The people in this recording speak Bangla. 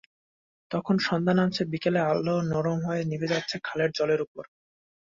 তখন সন্ধ্যা নামছে, বিকেলের আলো নরম হয়ে নিভে যাচ্ছে খালের জলের ওপর।